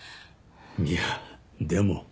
いやでも。